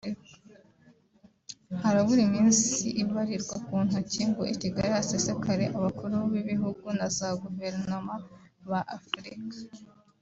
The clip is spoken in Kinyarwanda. Harabura iminsi ibarirwa ku ntoki ngo i Kigali hasesekare Abakuru b’Ibihugu na za Guverinoma ba Afurika